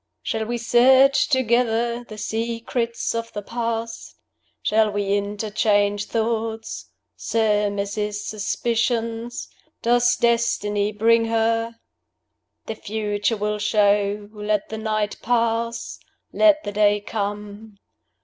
Shall we search together The secrets of the past? Shall we interchange thoughts, surmises, suspicions? Does Destiny bring her? "The Future will show. Let the night pass; Let the day come.